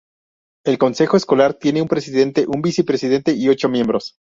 El consejo escolar tiene un presidente, un vicepresidente, y ocho miembros.